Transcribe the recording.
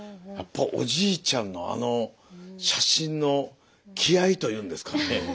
やっぱおじいちゃんのあの写真の気合いと言うんですかね。